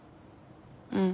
うん。